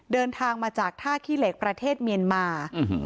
เดินทางมาจากท่าขี้เหล็กประเทศเมียนมา